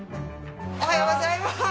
おはようございます。